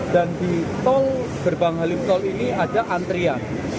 dan di tol gerbang halim tol ini ada antrian